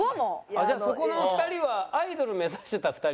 じゃあそこの２人はアイドル目指してた２人なんだ。